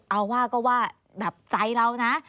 เอาว่าก็ว่าแบบใจเรานะ